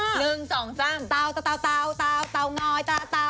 เอ้อหนึ่งสองสามเต่าตะาวเต่าเต่าเต่างอยเต่าเต่า